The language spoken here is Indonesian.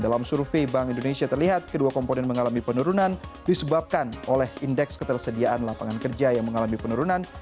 dalam survei bank indonesia terlihat kedua komponen mengalami penurunan disebabkan oleh indeks ketersediaan lapangan kerja yang mengalami penurunan